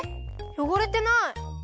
よごれてない！